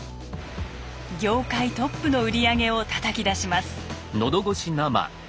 業界トップの売り上げをたたき出します。